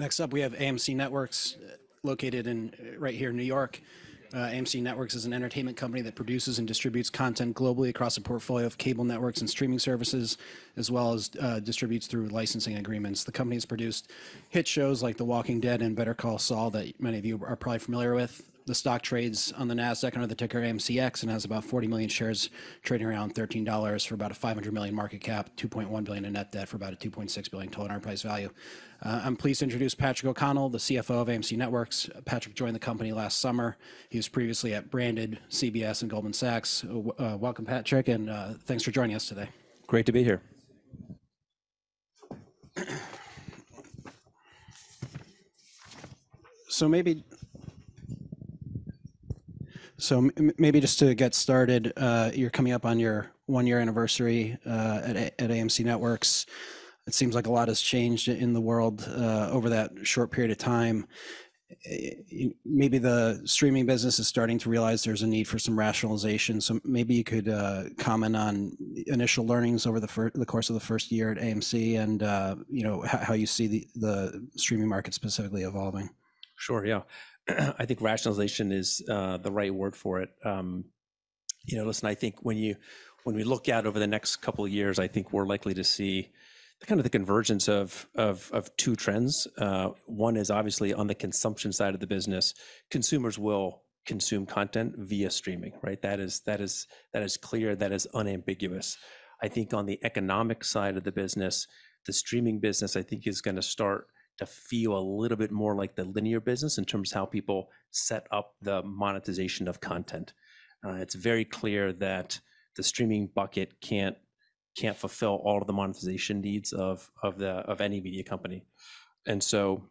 Next up, we have AMC Networks, located right here in New York. AMC Networks is an entertainment company that produces and distributes content globally across a portfolio of cable networks and streaming services, as well as distributes through licensing agreements. The company's produced hit shows like The Walking Dead and Better Call Saul, that many of you are probably familiar with. The stock trades on the Nasdaq under the ticker AMCX, and has about 40 million shares, trading around $13 for about a $500 million market cap, $2.1 billion in net debt, for about a $2.6 billion total enterprise value. I'm pleased to introduce Patrick O'Connell, the CFO of AMC Networks. Patrick joined the company last summer. He was previously at CBS and Goldman Sachs. Welcome, Patrick, and thanks for joining us today. Great to be here. Maybe just to get started, you're coming up on your one-year anniversary at AMC Networks. It seems like a lot has changed in the world over that short period of time. Maybe the streaming business is starting to realize there's a need for some rationalization, so maybe you could comment on initial learnings over the course of the first year at AMC, and you know, how you see the streaming market specifically evolving. Sure, yeah. I think rationalization is the right word for it. You know, listen, I think when we look out over the next couple of years, I think we're likely to see kind of the convergence of two trends. One is obviously on the consumption side of the business. Consumers will consume content via streaming, right? That is clear, that is unambiguous. I think on the economic side of the business, the streaming business, I think, is gonna start to feel a little bit more like the linear business in terms of how people set up the monetization of content. It's very clear that the streaming bucket can't fulfill all of the monetization needs of any media company. And so,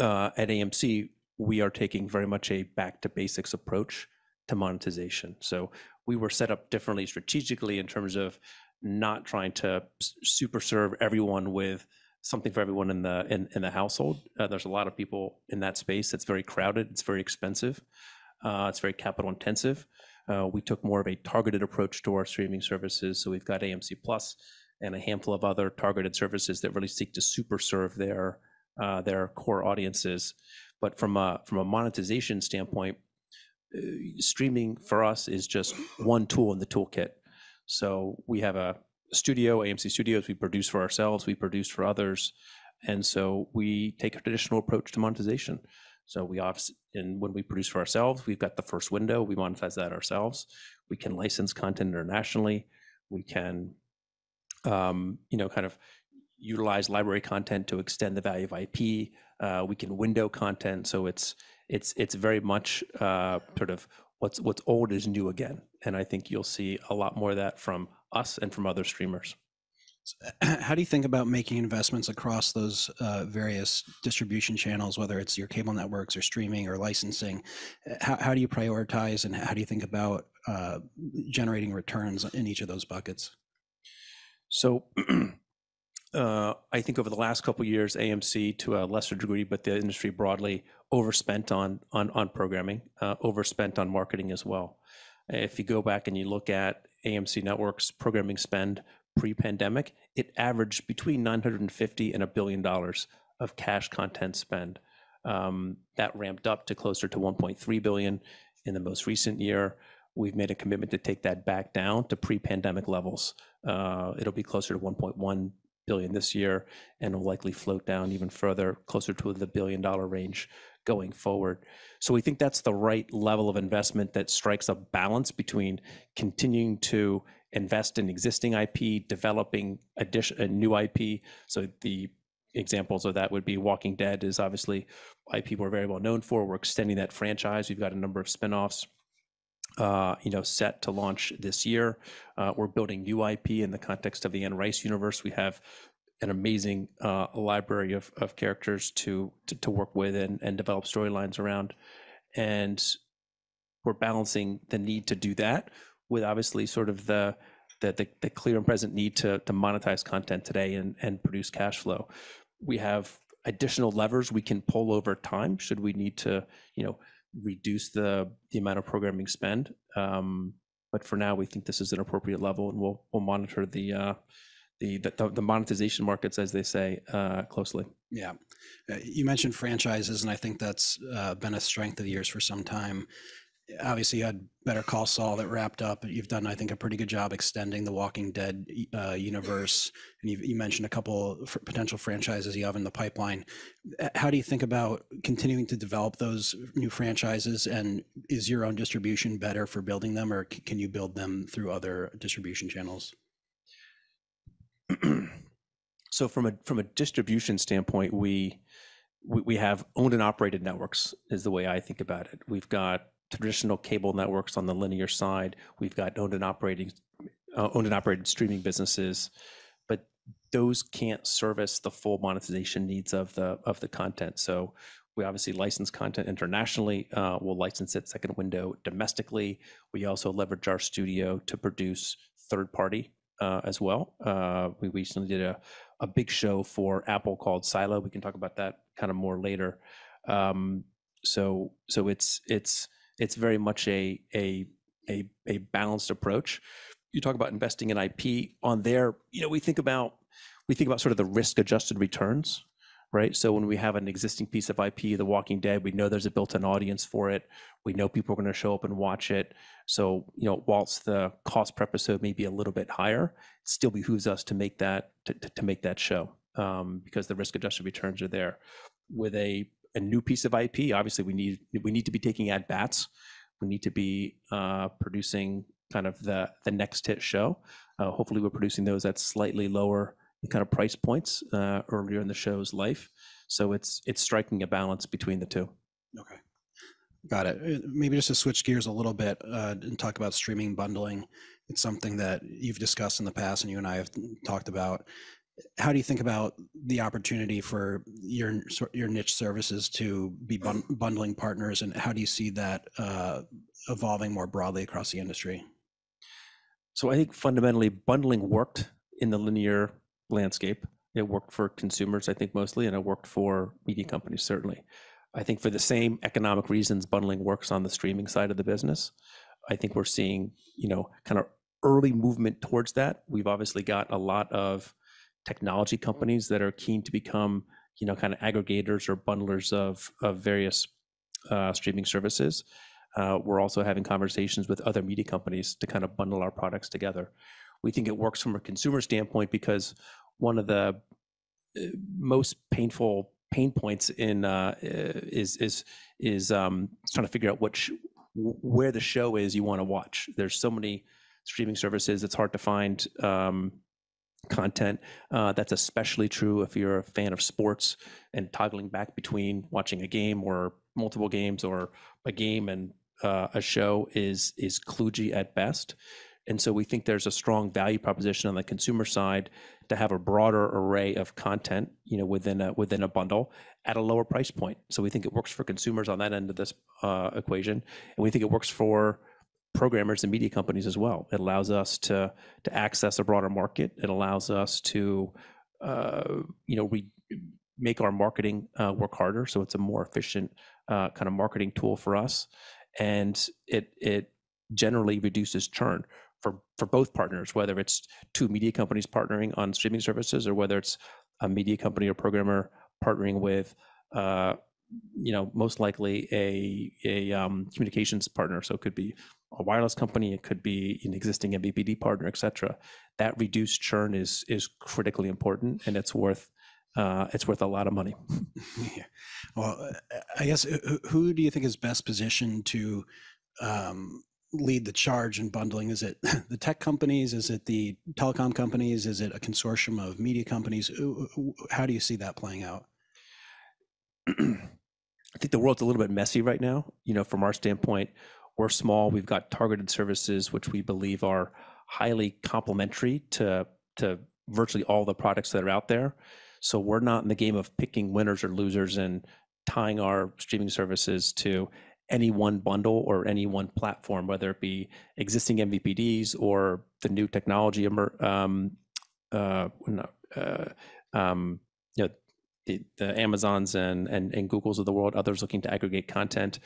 at AMC, we are taking very much a back-to-basics approach to monetization. So we were set up differently strategically in terms of not trying to super-serve everyone with something for everyone in the household. There's a lot of people in that space. It's very crowded, it's very expensive, it's very capital-intensive. We took more of a targeted approach to our streaming services, so we've got AMC+ and a handful of other targeted services that really seek to super-serve their core audiences. But from a monetization standpoint, streaming for us is just one tool in the toolkit. So we have a studio, AMC Studios. We produce for ourselves, we produce for others, and so we take a traditional approach to monetization. So we obviously, and when we produce for ourselves, we've got the first window, we monetize that ourselves. We can license content internationally. We can, you know, kind of utilize library content to extend the value of IP. We can window content, so it's very much sort of what's old is new again, and I think you'll see a lot more of that from us and from other streamers. How do you think about making investments across those, various distribution channels, whether it's your cable networks or streaming or licensing? How do you prioritize, and how do you think about, generating returns in each of those buckets? I think over the last couple of years, AMC, to a lesser degree, but the industry broadly, overspent on programming, overspent on marketing as well. If you go back and you look at AMC Networks' programming spend pre-pandemic, it averaged between $950 million and $1 billion of cash content spend. That ramped up to closer to $1.3 billion in the most recent year. We've made a commitment to take that back down to pre-pandemic levels. It'll be closer to $1.1 billion this year, and it'll likely float down even further, closer to the billion-dollar range going forward. We think that's the right level of investment that strikes a balance between continuing to invest in existing IP, developing a new IP. So the examples of that would be Walking Dead is obviously IP we're very well known for. We're extending that franchise. We've got a number of spin-offs, you know, set to launch this year. We're building new IP in the context of the Anne Rice universe. We have an amazing library of characters to work with and develop storylines around. And we're balancing the need to do that with, obviously, sort of the clear and present need to monetize content today and produce cash flow. We have additional levers we can pull over time, should we need to, you know, reduce the amount of programming spend. But for now, we think this is an appropriate level, and we'll monitor the monetization markets, as they say, closely. Yeah. You mentioned franchises, and I think that's been a strength of yours for some time. Obviously, you had Better Call Saul that wrapped up, and you've done, I think, a pretty good job extending The Walking Dead universe, and you mentioned a couple potential franchises you have in the pipeline. How do you think about continuing to develop those new franchises, and is your own distribution better for building them, or can you build them through other distribution channels? So from a distribution standpoint, we have owned and operated networks, is the way I think about it. We've got traditional cable networks on the linear side. We've got owned and operated streaming businesses. But those can't service the full monetization needs of the content, so we obviously license content internationally. We'll license it second window domestically. We also leverage our studio to produce third party as well. We recently did a big show for Apple called Silo. We can talk about that kind of more later. So it's very much a balanced approach. You talk about investing in IP. On there, you know, we think about sort of the risk-adjusted returns, right? So when we have an existing piece of IP, The Walking Dead, we know there's a built-in audience for it, we know people are gonna show up and watch it. So, you know, while the cost per episode may be a little bit higher, it still behooves us to make that, to make that show, because the risk-adjusted returns are there. With a new piece of IP, obviously, we need to be taking at-bats. We need to be producing kind of the next hit show. Hopefully, we're producing those at slightly lower kind of price points, earlier in the show's life. So it's striking a balance between the two. Okay. Got it. Maybe just to switch gears a little bit, and talk about streaming bundling. It's something that you've discussed in the past, and you and I have talked about. How do you think about the opportunity for your your niche services to be bundling partners, and how do you see that evolving more broadly across the industry? So I think fundamentally, bundling worked in the linear landscape. It worked for consumers, I think, mostly, and it worked for media companies, certainly. I think for the same economic reasons, bundling works on the streaming side of the business. I think we're seeing, you know, kinda early movement towards that. We've obviously got a lot of technology companies that are keen to become, you know, kinda aggregators or bundlers of various streaming services. We're also having conversations with other media companies to kind of bundle our products together. We think it works from a consumer standpoint because one of the most painful pain points is trying to figure out where the show is you wanna watch. There's so many streaming services, it's hard to find content. That's especially true if you're a fan of sports, and toggling back between watching a game or multiple games or a game and a show is kludgy at best. We think there's a strong value proposition on the consumer side to have a broader array of content, you know, within a bundle at a lower price point. We think it works for consumers on that end of this equation, and we think it works for programmers and media companies as well. It allows us to access a broader market. It allows us to, you know, we make our marketing work harder, so it's a more efficient kind of marketing tool for us. And it generally reduces churn for both partners, whether it's two media companies partnering on streaming services or whether it's a media company or programmer partnering with, you know, most likely, a communications partner. So it could be a wireless company, it could be an existing MVPD partner, et cetera. That reduced churn is critically important, and it's worth a lot of money. I guess, who do you think is best positioned to lead the charge in bundling? Is it the tech companies? Is it the telecom companies? Is it a consortium of media companies? How do you see that playing out? I think the world's a little bit messy right now. You know, from our standpoint, we're small. We've got targeted services, which we believe are highly complementary to virtually all the products that are out there. So we're not in the game of picking winners or losers and tying our streaming services to any one bundle or any one platform, whether it be existing MVPDs or the new technology emerging, you know, the Amazons and Googles of the world, others looking to aggregate content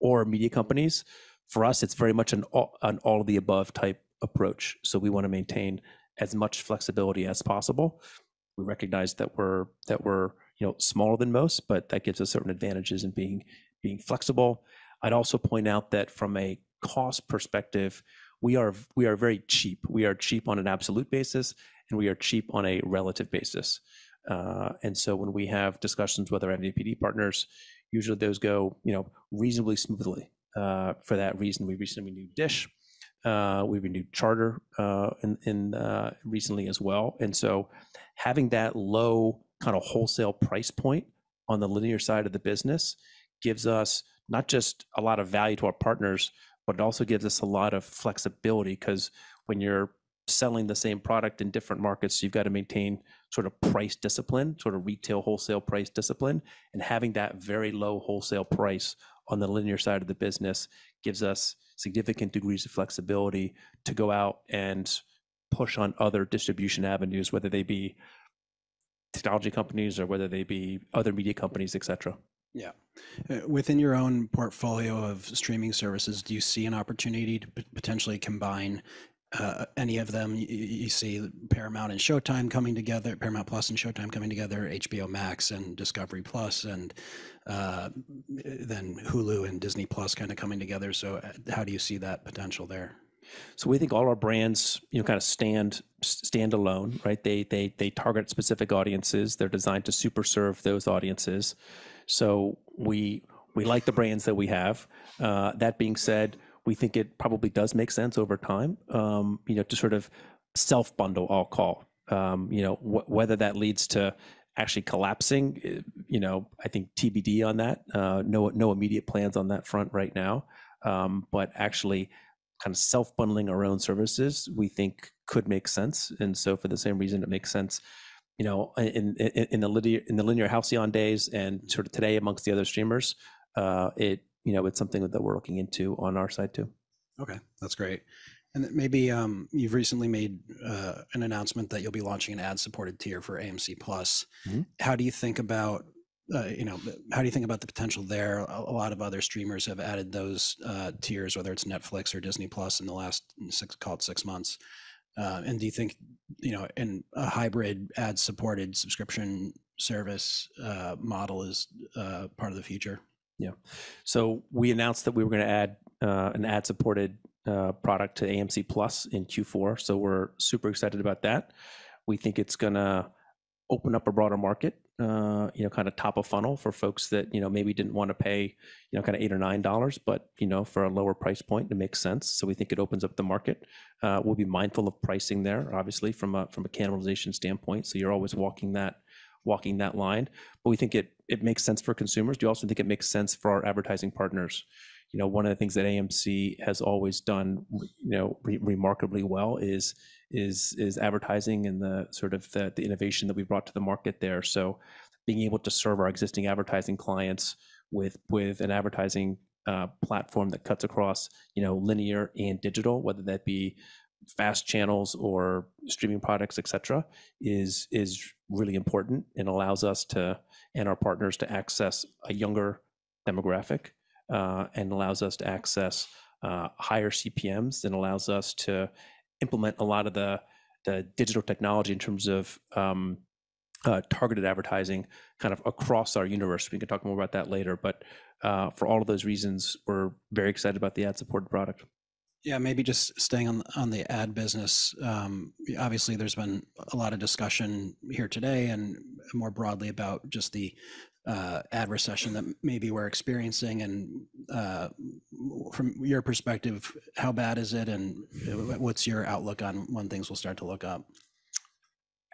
or media companies. For us, it's very much an all-of-the-above type approach, so we wanna maintain as much flexibility as possible. We recognize that we're, you know, smaller than most, but that gives us certain advantages in being flexible. I'd also point out that from a cost perspective, we are very cheap. We are cheap on an absolute basis, and we are cheap on a relative basis. And so when we have discussions with our MVPD partners, usually those go, you know, reasonably smoothly. For that reason, we recently renewed Dish. We've renewed Charter in recently as well. And so having that low kind of wholesale price point on the linear side of the business gives us not just a lot of value to our partners, but it also gives us a lot of flexibility. 'Cause when you're selling the same product in different markets, you've gotta maintain sort of price discipline, sort of retail, wholesale price discipline. Having that very low wholesale price on the linear side of the business gives us significant degrees of flexibility to go out and push on other distribution avenues, whether they be technology companies or whether they be other media companies, et cetera. Yeah. Within your own portfolio of streaming services, do you see an opportunity to potentially combine any of them? You see Paramount and Showtime coming together, Paramount+ and Showtime coming together, HBO Max and Discovery+, and then Hulu and Disney+ kinda coming together. So, how do you see that potential there? So we think all our brands, you know, kind of stand alone, right? They target specific audiences. They're designed to super-serve those audiences, so we like the brands that we have. That being said, we think it probably does make sense over time, you know, to sort of self-bundle, I'll call. You know, whether that leads to actually collapsing, you know, I think TBD on that. No immediate plans on that front right now. But actually, kind of self-bundling our own services, we think could make sense. And so for the same reason, it makes sense, you know, in the linear halcyon days and sort of today amongst the other streamers, you know, it's something that we're looking into on our side, too. Okay, that's great. And then maybe you've recently made an announcement that you'll be launching an ad-supported tier for AMC+. Mm-hmm. How do you think about the potential there, you know? A lot of other streamers have added those tiers, whether it's Netflix or Disney+ in the last six, call it six months. And do you think, you know, a hybrid ad-supported subscription service model is part of the future? Yeah. So we announced that we were gonna add an ad-supported product to AMC+ in Q4, so we're super excited about that. We think it's gonna open up a broader market, you know, kind of top of funnel for folks that, you know, maybe didn't wanna pay, you know, kinda $8 or $9, but, you know, for a lower price point, it makes sense, so we think it opens up the market. We'll be mindful of pricing there, obviously from a cannibalization standpoint, so you're always walking that line. But we think it makes sense for consumers. We also think it makes sense for our advertising partners. You know, one of the things that AMC has always done remarkably well is advertising and the sort of innovation that we've brought to the market there. So being able to serve our existing advertising clients with an advertising platform that cuts across, you know, linear and digital, whether that be FAST channels or streaming products, et cetera, is really important and allows us to, and our partners to access a younger demographic, and allows us to access higher CPMs and allows us to implement a lot of the digital technology in terms of targeted advertising kind of across our universe. We can talk more about that later, but for all of those reasons, we're very excited about the ad-supported product. Yeah, maybe just staying on the ad business. Obviously, there's been a lot of discussion here today, and more broadly, about just the ad recession that maybe we're experiencing. And from your perspective, how bad is it, and what's your outlook on when things will start to look up?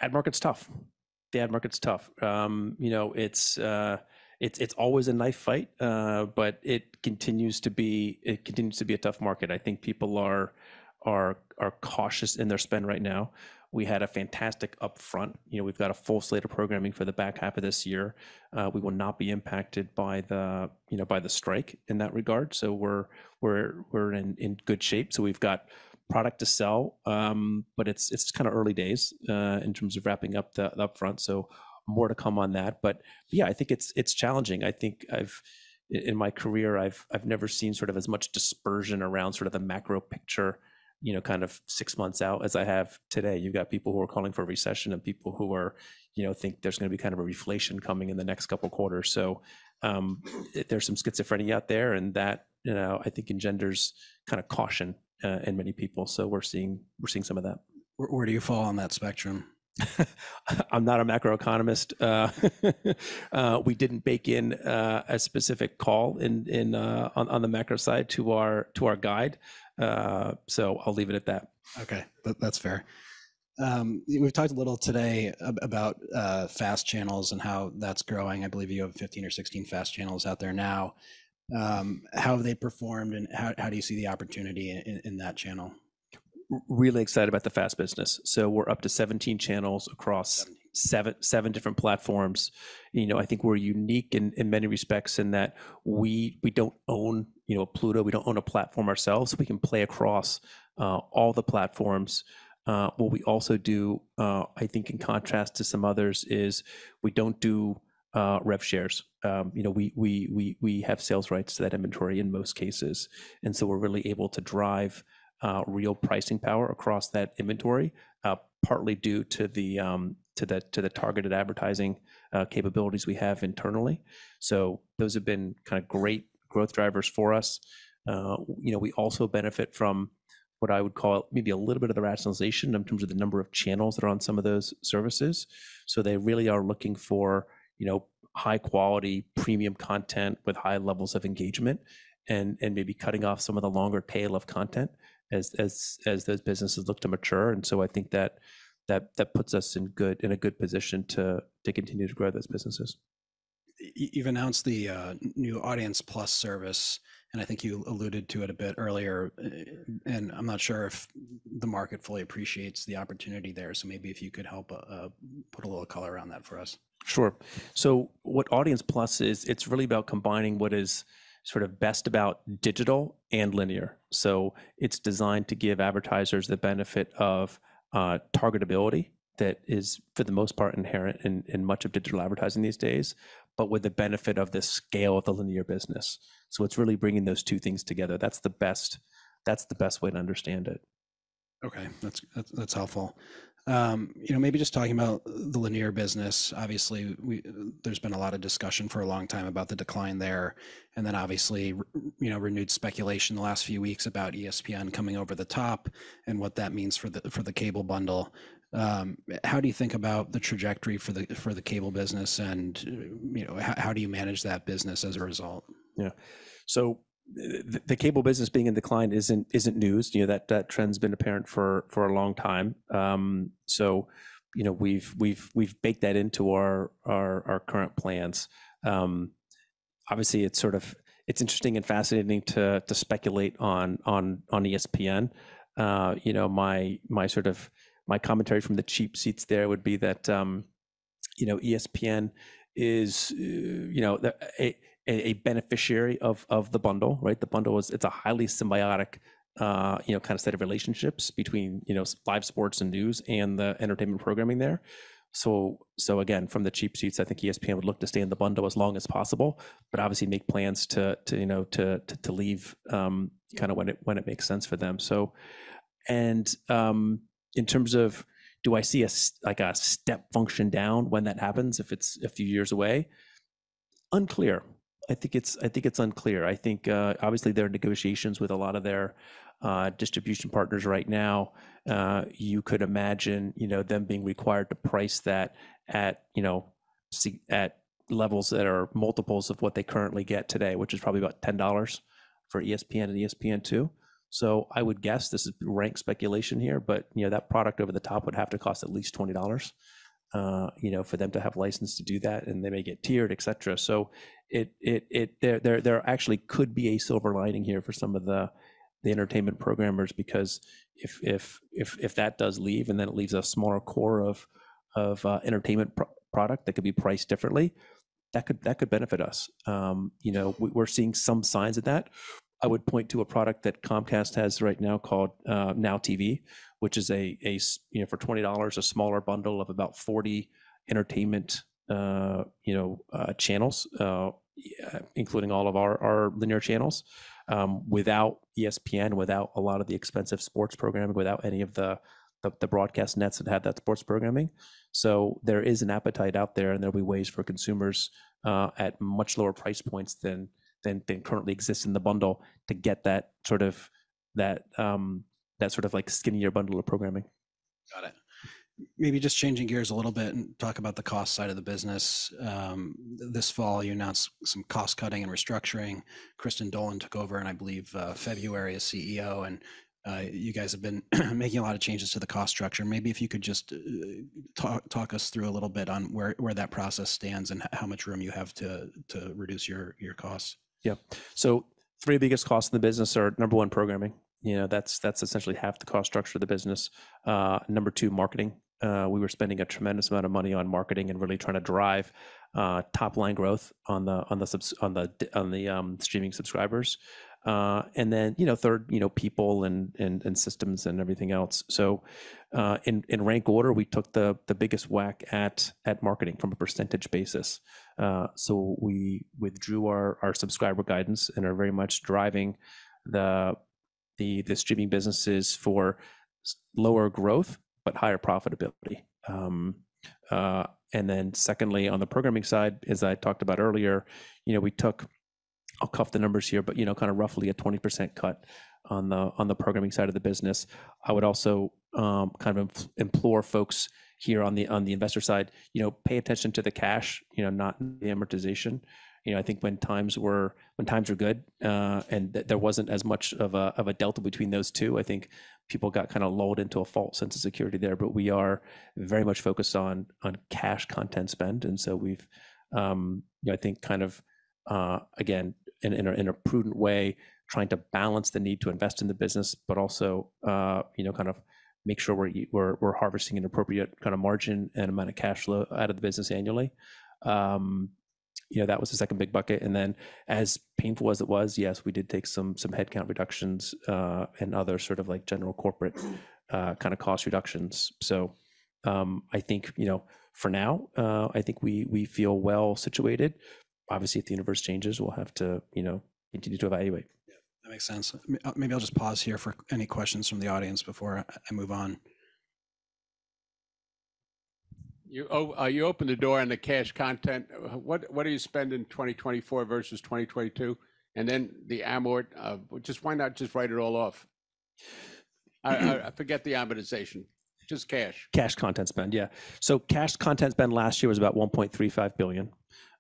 Ad market's tough. The ad market's tough. You know, it's always a knife fight, but it continues to be a tough market. I think people are cautious in their spend right now. We had a fantastic upfront. You know, we've got a full slate of programming for the back half of this year. We will not be impacted by the strike in that regard, so we're in good shape. So we've got product to sell, but it's kinda early days in terms of wrapping up the upfront, so more to come on that. But yeah, I think it's challenging. I think I've... In my career, I've never seen sort of as much dispersion around sort of the macro picture, you know, kind of six months out as I have today. You've got people who are calling for a recession and people who are, you know, think there's gonna be kind of a reflation coming in the next couple quarters. So, there's some schizophrenia out there, and that, you know, I think engenders kind of caution in many people, so we're seeing some of that. Where do you fall on that spectrum? I'm not a macroeconomist. We didn't bake in a specific call in on the macro side to our guide, so I'll leave it at that. Okay, that's fair. We've talked a little today about FAST channels and how that's growing. I believe you have 15 or 16 FAST channels out there now. How have they performed, and how do you see the opportunity in that channel? Really excited about the FAST business, so we're up to 17 channels across seven different platforms. You know, I think we're unique in many respects in that we don't own, you know, Pluto. We don't own a platform ourselves, so we can play across all the platforms. What we also do, I think in contrast to some others, is we don't do rev shares. You know, we have sales rights to that inventory in most cases, and so we're really able to drive real pricing power across that inventory, partly due to the targeted advertising capabilities we have internally. So those have been kind of great growth drivers for us. You know, we also benefit from what I would call maybe a little bit of the rationalization in terms of the number of channels that are on some of those services. So they really are looking for, you know, high-quality, premium content with high levels of engagement and maybe cutting off some of the longer tail of content as those businesses look to mature, and so I think that puts us in a good position to continue to grow those businesses. You've announced the new Audience+ service, and I think you alluded to it a bit earlier, and I'm not sure if the market fully appreciates the opportunity there, so maybe if you could help put a little color around that for us. Sure. So what Audience+ is, it's really about combining what is sort of best about digital and linear. So it's designed to give advertisers the benefit of targetability that is, for the most part, inherent in much of digital advertising these days but with the benefit of the scale of the linear business. So it's really bringing those two things together. That's the best way to understand it. Okay, that's, that's helpful. You know, maybe just talking about the linear business, obviously, we, there's been a lot of discussion for a long time about the decline there, and then obviously, you know, renewed speculation in the last few weeks about ESPN coming over the top and what that means for the, for the cable bundle. How do you think about the trajectory for the, for the cable business, and, you know, how do you manage that business as a result? Yeah. So the cable business being in decline isn't news. You know, that trend's been apparent for a long time. So, you know, we've baked that into our current plans. Obviously, it's sort of interesting and fascinating to speculate on ESPN. You know, my sort of commentary from the cheap seats there would be that, you know, ESPN is a beneficiary of the bundle, right? The bundle is a highly symbiotic kind of set of relationships between live sports and news and the entertainment programming there. So again, from the cheap seats, I think ESPN would look to stay in the bundle as long as possible, but obviously make plans to you know to leave kinda when it makes sense for them. So and in terms of do I see a step function down when that happens, if it's a few years away? Unclear. I think it's unclear. I think obviously there are negotiations with a lot of their distribution partners right now. You could imagine you know them being required to price that at you know say at levels that are multiples of what they currently get today, which is probably about $10 for ESPN and ESPN2. So I would guess, this is rank speculation here, but you know, that product over the top would have to cost at least $20, you know, for them to have license to do that, and they may get tiered, et cetera. It actually could be a silver lining here for some of the entertainment programmers, because if that does leave, and then it leaves a smaller core of entertainment product that could be priced differently, that could benefit us. You know, we're seeing some signs of that. I would point to a product that Comcast has right now called NOW TV, which is a, you know, for $20, a smaller bundle of about 40 entertainment, you know, channels, including all of our linear channels, without ESPN, without a lot of the expensive sports programming, without any of the broadcast nets that had that sports programming. So there is an appetite out there, and there'll be ways for consumers at much lower price points than currently exist in the bundle to get that sort of, that sort of like skinnier bundle of programming. Got it. Maybe just changing gears a little bit and talk about the cost side of the business. This fall, you announced some cost-cutting and restructuring. Kristin Dolan took over in, I believe, February as CEO, and you guys have been making a lot of changes to the cost structure. Maybe if you could just talk us through a little bit on where that process stands and how much room you have to reduce your costs. Yeah. So the three biggest costs in the business are, number one, programming. You know, that's essentially half the cost structure of the business. Number two, marketing. We were spending a tremendous amount of money on marketing and really trying to drive top-line growth on the streaming subscribers. And then, you know, third, you know, people and systems and everything else. So, in rank order, we took the biggest whack at marketing from a percentage basis. So we withdrew our subscriber guidance and are very much driving the streaming businesses for lower growth, but higher profitability. And then secondly, on the programming side, as I talked about earlier, you know, we took... I'll cap the numbers here, but you know, kinda roughly a 20% cut on the programming side of the business. I would also kind of implore folks here on the investor side, you know, pay attention to the cash, you know, not the amortization. You know, I think when times were good, and there wasn't as much of a delta between those two, I think people got kinda lulled into a false sense of security there. But we are very much focused on cash content spend, and so we've, you know, I think kind of again in a prudent way, trying to balance the need to invest in the business, but also, you know, kind of make sure we're harvesting an appropriate kind of margin and amount of cash flow out of the business annually. You know, that was the second big bucket, and then as painful as it was, yes, we did take some headcount reductions and other sort of like general corporate kind of cost reductions. So, I think, you know, for now, I think we feel well-situated. Obviously, if the universe changes, we'll have to, you know, continue to evaluate. Yeah, that makes sense. Maybe I'll just pause here for any questions from the audience before I move on. You opened the door on the cash content. What are you spending in 2024 versus 2022? And then the amortization, just why not just write it all off? Forget the amortization, just cash. Cash content spend, yeah. So cash content spend last year was about $1.35 billion.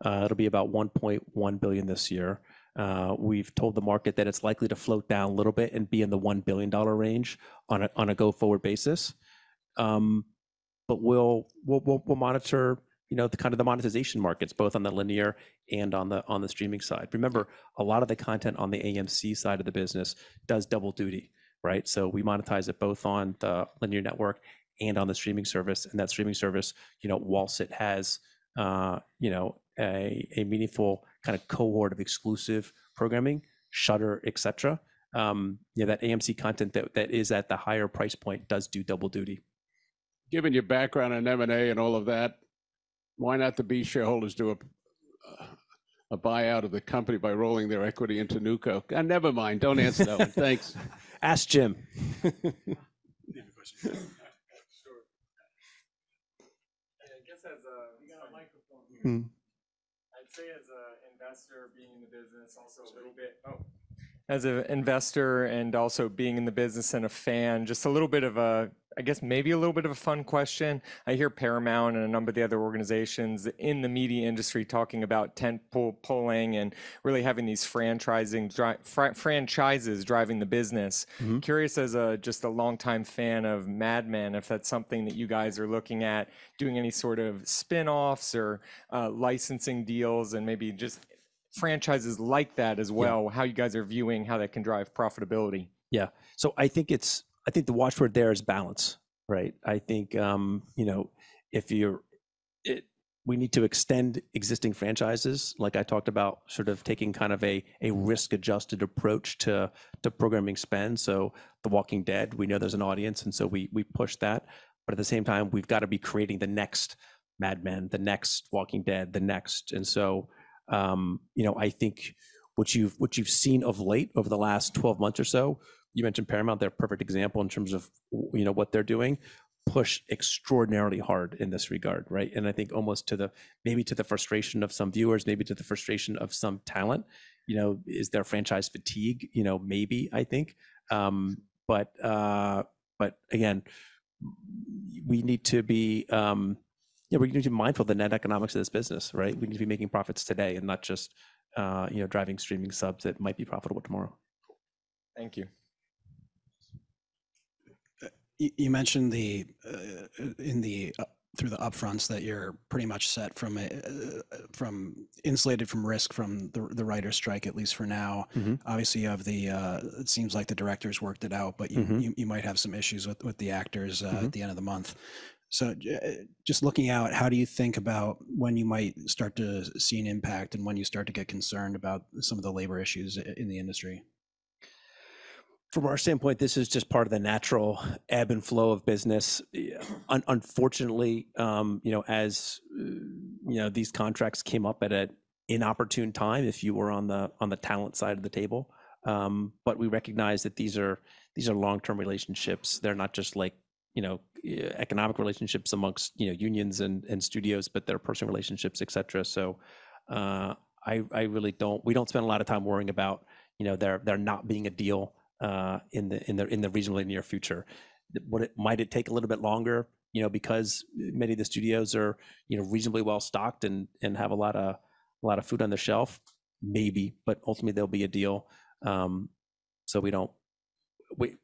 It'll be about $1.1 billion this year. We've told the market that it's likely to float down a little bit and be in the $1 billion range on a go-forward basis. But we'll monitor, you know, the kind of the monetization markets, both on the linear and on the streaming side. Remember, a lot of the content on the AMC side of the business does double duty, right? So we monetize it both on the linear network and on the streaming service, and that streaming service, you know, whilst it has a meaningful kinda cohort of exclusive programming, Shudder, et cetera, you know, that AMC content that is at the higher price point does do double duty. Given your background in M&A and all of that, why not have the shareholders do a buyout of the company by rolling their equity into NewCo? Never mind. Don't answer that one. Thanks. Ask Jim. I guess as a.. We got a microphone here. Mm-hmm. I'd say as an investor, being in the business also a little bit... Oh, as an investor and also being in the business and a fan, just a little bit of a, I guess maybe a little bit of a fun question. I hear Paramount and a number of the other organizations in the media industry talking about tent-poling and really having these franchising franchises driving the business. Mm-hmm. Curious, just a longtime fan of Mad Men, if that's something that you guys are looking at, doing any sort of spin-offs or, licensing deals, and maybe just franchises like that as well- Yeah... how you guys are viewing how that can drive profitability? Yeah. So I think it's, I think the watchword there is balance, right? I think, you know, we need to extend existing franchises, like I talked about, sort of taking kind of a risk-adjusted approach to programming spend. So The Walking Dead, we know there's an audience, and so we push that. But at the same time, we've got to be creating the next Mad Men, the next Walking Dead, the next... And so, you know, I think what you've seen of late, over the last twelve months or so, you mentioned Paramount, they're a perfect example in terms of, you know, what they're doing, push extraordinarily hard in this regard, right? And I think almost to the- maybe to the frustration of some viewers, maybe to the frustration of some talent. You know, is there franchise fatigue? You know, maybe, I think. But again, we need to be mindful of the net economics of this business, right? We need to be making profits today and not just, you know, driving streaming subs that might be profitable tomorrow. Thank you. You mentioned through the upfronts that you're pretty much set, insulated from risk from the writers' strike, at least for now. Mm-hmm. Obviously, you have the... It seems like the directors worked it out- Mm-hmm... but you might have some issues with the actors, Mm-hmm At the end of the month. So, just looking out, how do you think about when you might start to see an impact, and when do you start to get concerned about some of the labor issues in the industry? From our standpoint, this is just part of the natural ebb and flow of business. Unfortunately, you know, as you know, these contracts came up at an inopportune time, if you were on the talent side of the table. But we recognize that these are long-term relationships. They're not just like, you know, economic relationships amongst you know, unions and studios, but they're personal relationships, et cetera. So, I really don't- we don't spend a lot of time worrying about, you know, there not being a deal in the reasonably near future. Might it take a little bit longer? You know, because many of the studios are, you know, reasonably well-stocked and have a lot of food on their shelf, maybe, but ultimately, there'll be a deal. So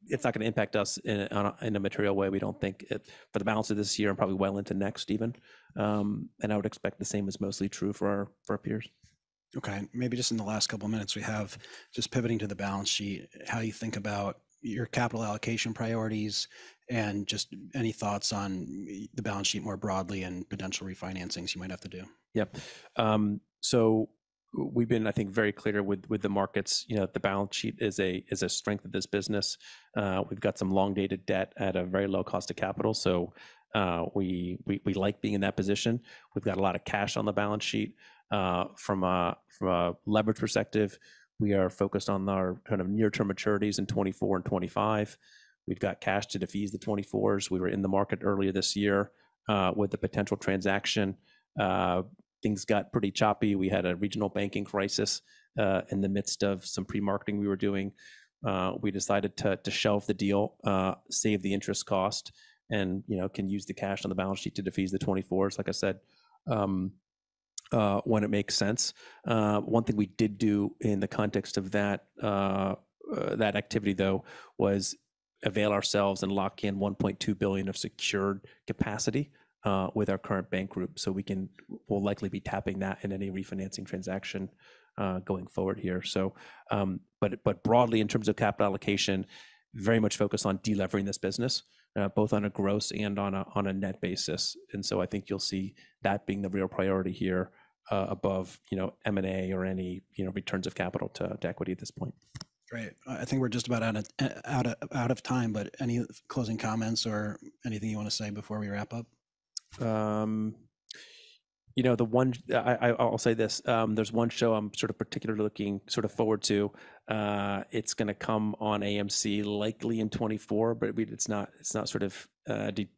it's not gonna impact us in a material way, we don't think, for the balance of this year and probably well into next even. And I would expect the same is mostly true for our peers. Okay. Maybe just in the last couple of minutes we have, just pivoting to the balance sheet, how you think about your capital allocation priorities, and just any thoughts on the balance sheet more broadly and potential refinancings you might have to do? Yep. So we've been, I think, very clear with the markets, you know, that the balance sheet is a strength of this business. We've got some long-dated debt at a very low cost of capital, so we like being in that position. We've got a lot of cash on the balance sheet. From a leverage perspective, we are focused on our kind of near-term maturities in 2024 and 2025. We've got cash to defease the 2024s. We were in the market earlier this year with a potential transaction. Things got pretty choppy. We had a regional banking crisis in the midst of some pre-marketing we were doing. We decided to shelve the deal, save the interest cost, and, you know, can use the cash on the balance sheet to defease the 2024s, like I said, when it makes sense. One thing we did do in the context of that activity, though, was avail ourselves and lock in $1.2 billion of secured capacity with our current bank group, so we'll likely be tapping that in any refinancing transaction going forward here. So, but broadly, in terms of capital allocation, very much focused on delevering this business both on a gross and on a net basis. And so I think you'll see that being the real priority here above, you know, M&A or any, you know, returns of capital to equity at this point. Great. I think we're just about out of time, but any closing comments or anything you want to say before we wrap up? You know, I'll say this: There's one show I'm sort of particularly looking sort of forward to. It's gonna come on AMC likely in 2024, but it's not, it's not sort of,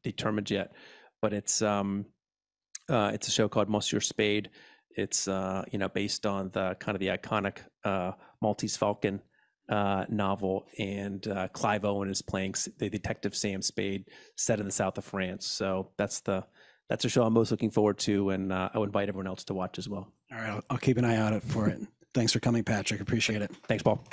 determined yet. But it's, it's a show called Monsieur Spade. It's, you know, based on the kind of the iconic, Maltese Falcon, novel. And, Clive Owen is playing the detective Sam Spade, set in the South of France. So that's the show I'm most looking forward to, and, I would invite everyone else to watch as well. All right. I'll keep an eye out for it. Thanks for coming, Patrick. Appreciate it. Thanks, Paul.